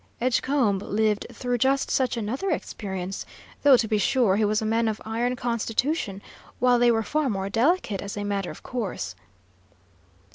"Edgecombe lived through just such another experience; though, to be sure, he was a man of iron constitution, while they were far more delicate, as a matter of course."